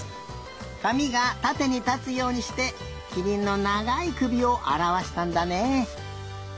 かみがたてにたつようにしてきりんのながいくびをあらわしたんだねえ。